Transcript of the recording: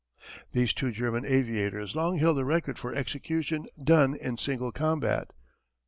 These two German aviators long held the record for execution done in single combat.